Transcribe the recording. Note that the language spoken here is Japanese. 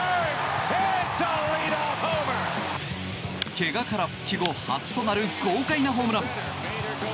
怪我から復帰後初となる豪快なホームラン。